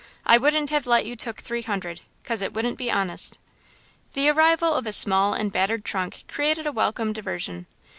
I wouldn't have let you took three hundred, 'cause it wouldn't be honest." The arrival of a small and battered trunk created a welcome diversion.